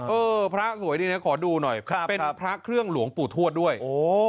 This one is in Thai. เออพระสวยดีนะขอดูหน่อยครับเป็นพระเครื่องหลวงปู่ทวดด้วยโอ้